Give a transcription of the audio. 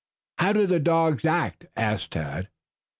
"How did the dogs act?" asked Tad.